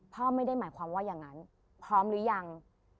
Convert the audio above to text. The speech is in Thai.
ไม่ได้หมายความว่าอย่างนั้นพร้อมหรือยัง